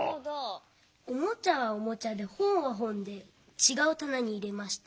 おもちゃはおもちゃでほんはほんでちがうたなにいれました。